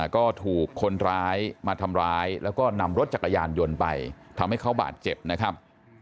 ก็ถูกคนร้ายมาทำร้ายแล้วก็นำรถจักรยานยนต์ไปทำให้เขาบาดเจ็บนะครับ